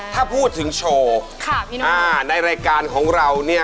ถ้าพูดถึงโชว์ในรายการของเราเนี่ย